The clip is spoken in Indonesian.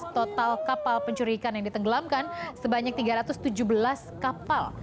total kapal pencuri ikan yang ditenggelamkan sebanyak tiga ratus tujuh belas kapal